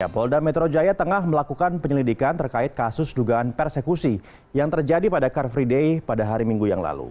polda metro jaya tengah melakukan penyelidikan terkait kasus dugaan persekusi yang terjadi pada car free day pada hari minggu yang lalu